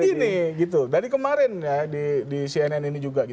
karena gini dari kemarin di cnn ini juga